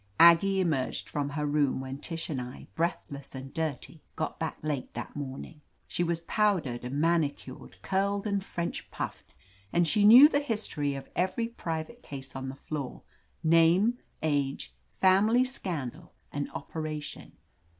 ^.Aggie emerged from her room when Tish and I, breathless and dirty, got back late that morning. She was pow dered and manicured, curled and French puffed, and she knew the history of every private case on the floor; name, age, family scandal and operation.